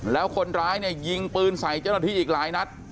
แล้วคนร้ายเนี่ยยิงปืนใส่เจ้าหน้าที่อีกหลายนัด